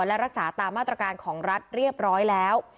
และรักษาตามมาตรการของรัฐเรียบร้อยแล้ว